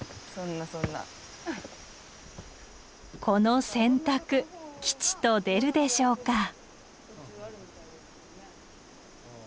この選択吉と出るでしょうか。